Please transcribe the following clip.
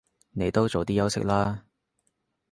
你都早啲休息啦